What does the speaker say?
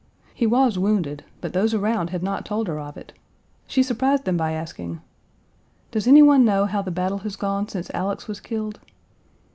He was wounded, but those around had not told her of it. She surprised them by asking, "Does any one know how the battle has gone since Alex was killed?"